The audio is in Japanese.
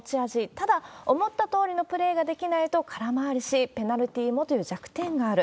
ただ、思ったとおりのプレーができないと空回りし、ペナルティもという弱点がある。